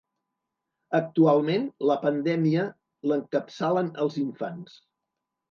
Actualment, la pandèmia l’encapçalen els infants.